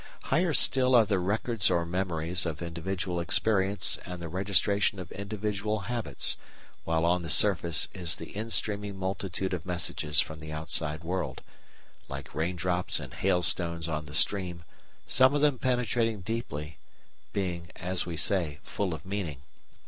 ] Higher still are the records or memories of individual experience and the registration of individual habits, while on the surface is the instreaming multitude of messages from the outside world, like raindrops and hailstones on the stream, some of them penetrating deeply, being, as we say, full of meaning.